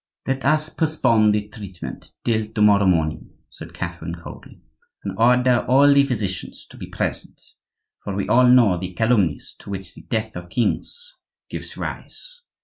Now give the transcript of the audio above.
"Let us postpone the treatment till to morrow morning," said Catherine, coldly, "and order all the physicians to be present; for we all know the calumnies to which the death of kings gives rise."